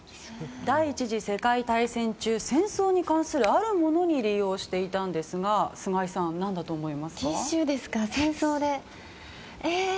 第１次世界大戦中戦争に関する、あるものに利用していたんですが菅井さん、何だと思いますか？